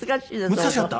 難しかった。